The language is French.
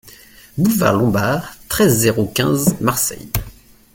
Boulevard Lombard, treize, zéro quinze Marseille